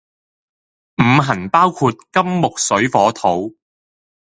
五行包括金木水火土